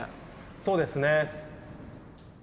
そうですね。